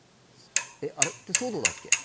えっあれって騒動だっけ？